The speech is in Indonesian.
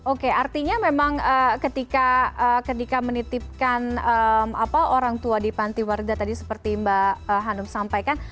oke artinya memang ketika menitipkan orang tua di panti warda tadi seperti mbak hanum sampaikan